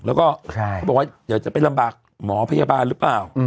แล้วก็เขาบอกว่าเดี๋ยวจะไปลำบากหมอพยาบาลหรือเปล่า